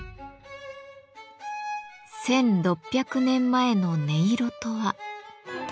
１，６００年前の音色とは。